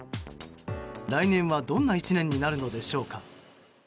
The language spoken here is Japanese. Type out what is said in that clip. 来年はどんな１年になるのでしょうか。